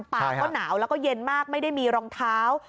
ปากก็หนาวแล้วก็เย็นมากไม่ได้มีรองเท้า